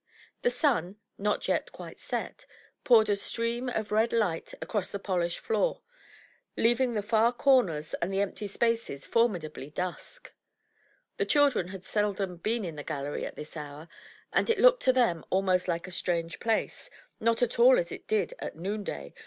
The sun, not yet quite set, poured a stream of red light across the polished floor, leaving the far comers and the empty spaces formidably dusk. The children had seldom been in the gallery at this hour, and it looked to them almost like a strange place, not at all as it did at noon day .